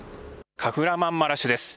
カフラマンマラシュです。